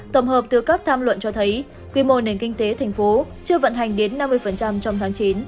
tổng hợp từ các tham luận cho thấy quy mô nền kinh tế thành phố chưa vận hành đến năm mươi trong tháng chín